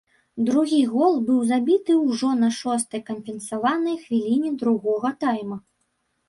Другі гол быў забіты ўжо на шостай кампенсаванай хвіліне другога тайма.